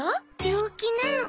病気なの。